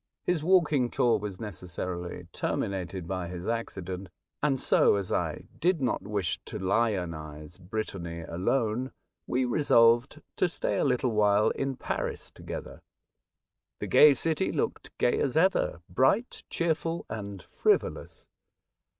His walking tour was necessarily terminated by his accident, and so, as I did not wish to lionise Brittany alone, we resolved to stay a little while in Paris tpgether. The gay city looked gay as ever — bright, cheer ful, and frivolous.